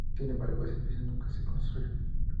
Sin embargo, este edificio nunca se construyó.